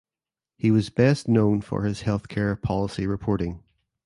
He was best known for his health care policy reporting.